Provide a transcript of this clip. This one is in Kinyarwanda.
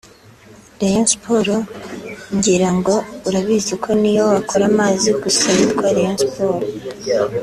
…Rayon Sports ngira ngo urabizi ko n’iyo wakora amazi gusa yitwa Rayon Sport